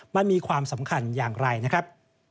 มันมีความสำคัญอย่างไรนะครับ